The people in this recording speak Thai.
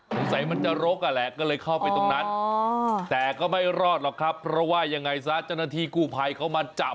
อาวุเสธมันจะรกอ่ะแหละก็เลยเข้าไปตรงนั้น